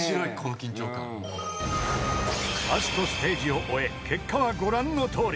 ［ファーストステージを終え結果はご覧のとおり］